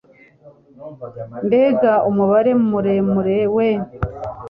mbega umubare mure mure we